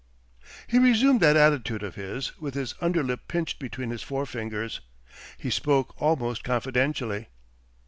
He resumed that attitude of his, with his underlip pinched between his forefingers. He spoke almost confidentially.